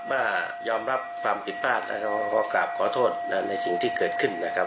ว่ายอมรับความผิดพลาดแล้วก็กราบขอโทษในสิ่งที่เกิดขึ้นนะครับ